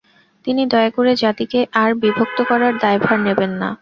তাই দয়া করে জাতিকে আর বিভক্ত করার দায়ভার নেবেন না।